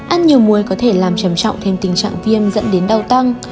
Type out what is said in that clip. ăn nhiều muối có thể làm trầm trọng thêm tình trạng viêm dẫn đến đau tăng